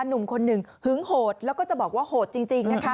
หนุ่มคนหนึ่งหึงโหดแล้วก็จะบอกว่าโหดจริงนะคะ